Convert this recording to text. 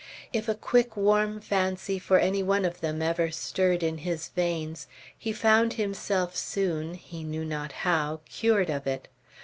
If a quick, warm fancy for any one of them ever stirred in his veins, he found himself soon, he knew not how, cured of it.